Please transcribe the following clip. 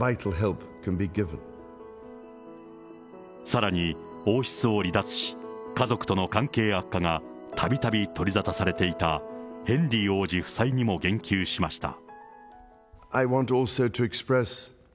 さらに、王室を離脱し、家族との関係悪化がたびたび取り沙汰されていたヘンリー王子夫妻にも言及しました。